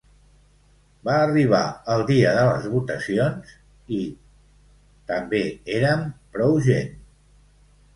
Va arribar el dia de les votacions i… també érem prou gent.